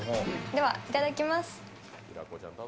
ではいただきます。